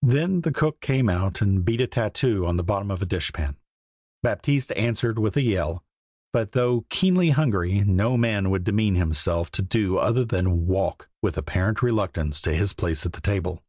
Then the cook came out and beat a tattoo on the bottom of a dishpan. Baptiste answered with a yell. But though keenly hungry, no man would demean himself to do other than walk with apparent reluctance to his place at the table.